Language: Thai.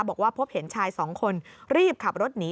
บอกว่าพบเห็นชายสองคนรีบขับรถหนี